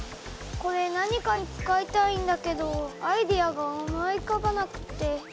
これ何かに使いたいんだけどアイデアが思いうかばなくて。